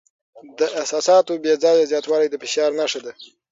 د احساساتو بې ځایه زیاتوالی د فشار نښه ده.